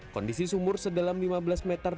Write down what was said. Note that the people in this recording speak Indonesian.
kondisi sumur sedalam lima belas meter